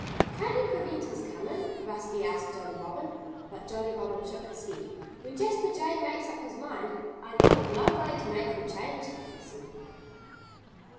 "Can't you prevent his coming?" Rusty asked Jolly Robin. But Jolly Robin shook his head. "When Jasper Jay makes up his mind, I know of no way to make him change it," he said.